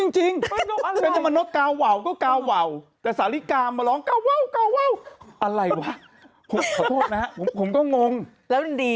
เจ็บไหมเธอ